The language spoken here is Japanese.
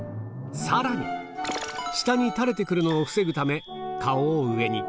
さらに、下にたれてくるのを防ぐため、顔を上に。